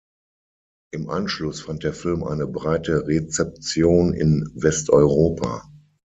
Im Anschluss fand der Film eine breite Rezeption in Westeuropa.